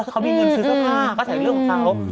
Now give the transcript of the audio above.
เขามีเงินซื้อสภาพก็ใส่เรื่องของเขา